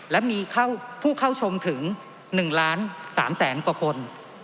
และมีผู้เข้าชมถึง๑ล้าน๓แสนกว่าคน